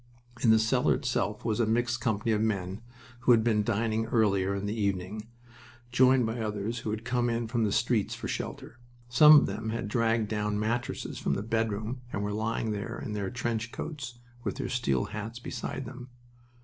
In the cellar itself was a mixed company of men who had been dining earlier in the evening, joined by others who had come in from the streets for shelter. Some of them had dragged down mattresses from the bedrooms and were lying there in their trench coats, with their steel hats beside them.